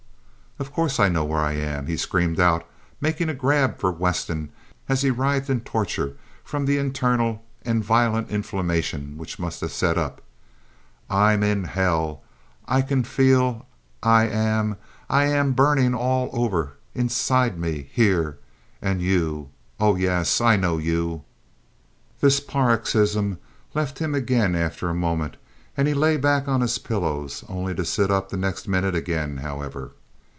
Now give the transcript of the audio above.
"Of course I know where I am," he screamed out, making a grab at Weston, as he writhed in torture from the internal and violent inflammation which must have set up. "I'm in hell. I can feel I am I am burning all over inside me here. And you? Oh, yes I know you!" This paroxysm left him again after a moment, and he lay back on his pillows, only to sit up the next minute again, however.